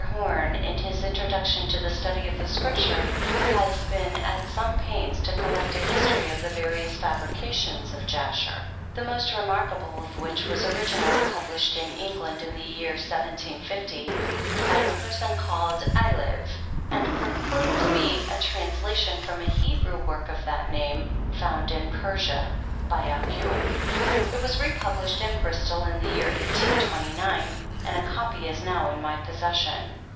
Home, in his Introduction to the Study of the Scripture, has been at some pains to collect a history of the various fabrications of Jasher; the most remarkable of which was origi nally published in England, in the year 1750, by a person called lUivc, and purported to be a translation from a Hebrew work of that name, found in Persia by Alcuin. It was republished in Bristol in the year 1829, and a copy is now in my possession.